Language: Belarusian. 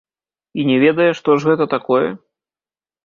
І не ведае, што ж гэта такое?